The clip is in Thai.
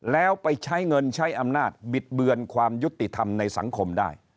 แล้วไปใช้เงินใช้อำนาจบิดเบือนความยุติธรรมในสังคมได้